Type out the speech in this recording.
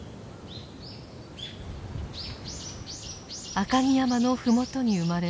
赤城山の麓に生まれ